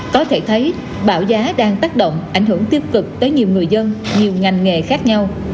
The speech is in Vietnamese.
có thể thấy bảng giá đang tác động ảnh hưởng tiêu cực tới nhiều người dân nhiều ngành nghề khác nhau